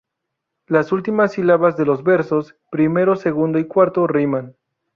Las últimas sílabas de los versos primero, segundo y cuarto riman.